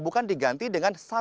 bukan diganti dengan satu perusahaan